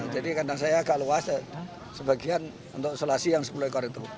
jadi kandang saya agak luas sebagian untuk selasi yang sepuluh ekor itu